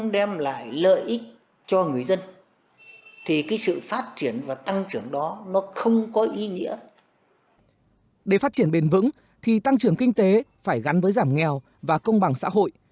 để phát triển bền vững thì tăng trưởng kinh tế phải gắn với giảm nghèo và công bằng xã hội